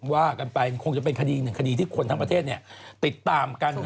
ว่ากันไปคงจะเป็นคดีหนึ่งคดีที่คนทั้งประเทศติดตามกัน